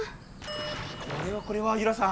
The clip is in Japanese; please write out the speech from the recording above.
これはこれはユラさん。